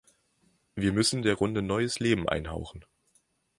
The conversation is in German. Wir müssen der Runde neues Leben einhauchen.